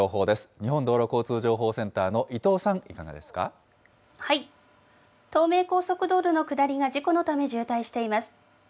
日本道路交通情報センターの伊藤東名高速道路の下りが事故のため渋滞しています。